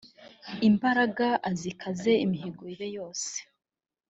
ingamba azikaze imihigo ibe yose